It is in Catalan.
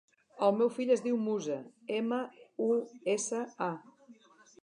El meu fill es diu Musa: ema, u, essa, a.